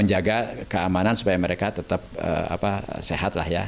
menjaga keamanan supaya mereka tetap sehat lah ya